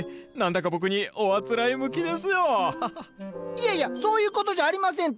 いやいやそういうことじゃありませんって。